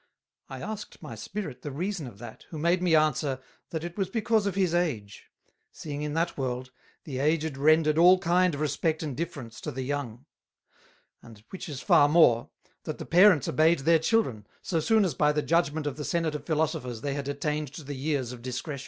I asked my Spirit the reason of that, who made me answer, that it was because of his Age; seeing in that World, the Aged rendered all kind of Respect and Difference to the Young; and which is far more, that the Parents obeyed their Children, so soon as by the Judgment of the Senate of Philosophers they had attained to the Years of Discretion.